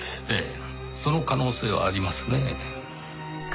ええその可能性はありますねぇ。